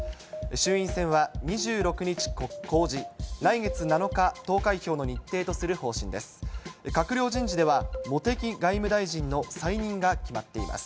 衆院選は２６日公示、来月７日投開票の日程とする方針です。